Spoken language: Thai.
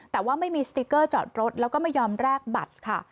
แต่ว่าไม่มีสติ๊กเกอร์จอดรถแล้วก็ไม่ยอมแลกบัตรค่ะ